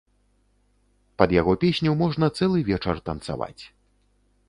Пад яго песню можна цэлы вечар танцаваць.